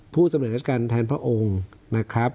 สำเร็จราชการแทนพระองค์นะครับ